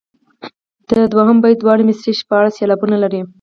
د دوهم بیت دواړه مصرعې شپاړس سېلابونه لري.